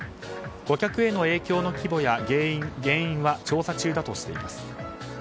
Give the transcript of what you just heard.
顧客への影響への規模や原因は調査中だとしています。